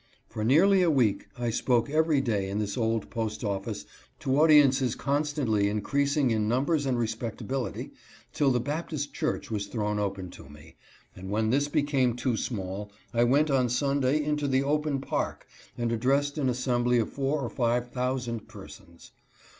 For nearly a week I spoke every day in this old post office to audiences constantly increasing in numbers and respectability, till the Baptist church was thrown open to me ; and when this became too small I went on Sunday into the open Park and addressed an assembly of four or five thousand persons.